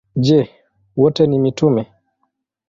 Je, wote ni mitume?